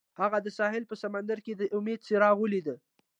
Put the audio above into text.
هغه د ساحل په سمندر کې د امید څراغ ولید.